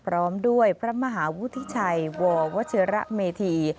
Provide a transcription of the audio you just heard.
พร้อมด้วยพระมหาวุฒิชัยววัชิระเมธี